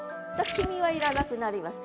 「君」は要らなくなります。